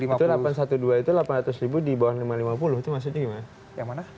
itu delapan ratus dua belas itu delapan ratus ribu di bawah lima ratus lima puluh itu maksudnya gimana